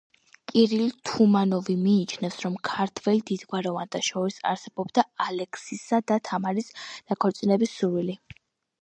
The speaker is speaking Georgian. კირილ თუმანოვი მიიჩნევს, რომ ქართველ დიდგვაროვანთა შორის არსებობდა ალექსისა და თამარის დაქორწინების სურვილი.